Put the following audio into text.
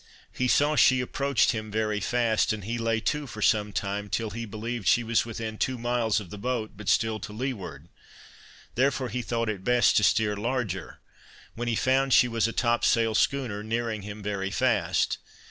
He saw she approached him very fast, and he lay to for some time, till he believed she was within two miles of the boat, but still to leeward; therefore he thought it best to steer larger, when he found she was a top sail schooner, nearing him very fast.